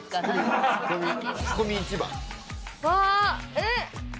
えっ？